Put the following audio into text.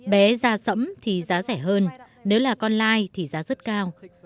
bé da sẫm thì giá rẻ hơn nếu là con lai thì giá rất cao